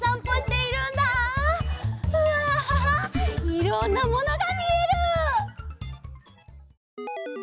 うわいろんなものがみえる！